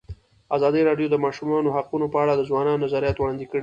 ازادي راډیو د د ماشومانو حقونه په اړه د ځوانانو نظریات وړاندې کړي.